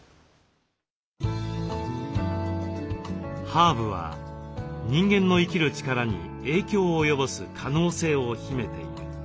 ハーブは人間の生きる力に影響を及ぼす可能性を秘めている。